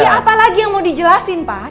apalagi yang mau dijelasin pak